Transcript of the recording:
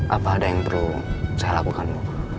apa ada yang perlu saya lakukan